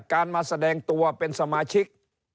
การมาแสดงตัวเป็นสมาชิก